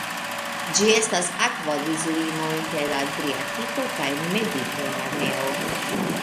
Ĝi estas akvodislimo inter Adriatiko kaj Mediteraneo.